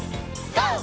ＧＯ！